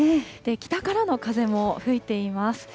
北からの風も吹いています。